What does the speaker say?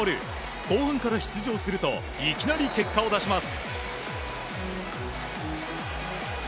後半から出場するといきなり結果を出します。